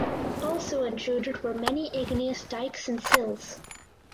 Also intruded were many igneous dikes and sills.